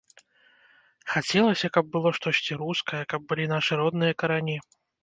Хацелася, каб было штосьці рускае, каб былі нашы родныя карані.